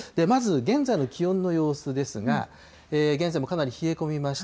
まず現在の気温の様子ですが、現在もかなり冷え込みました。